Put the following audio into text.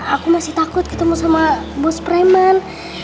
aku masih takut ketemu sama bus preman